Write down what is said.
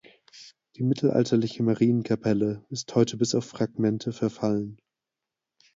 Die mittelalterliche Marienkapelle ist heute bis auf Fragmente verfallen.